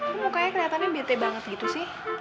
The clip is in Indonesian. lu mukanya keliatannya bete banget gitu sih